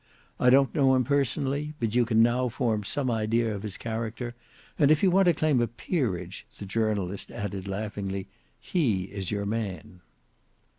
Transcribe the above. I don't know him personally; but you can now form some idea of his character: and if you want to claim a peerage," the journalist added laughingly, "he is your man."